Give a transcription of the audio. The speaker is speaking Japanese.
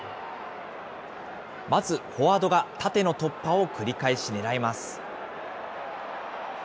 まずフォワードが縦の突破を繰り返しねらいます。